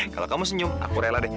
kalau kamu senyum aku rela deh